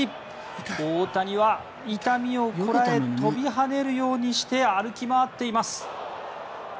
大谷は痛みをこらえ跳びはねるようにして歩き回っています。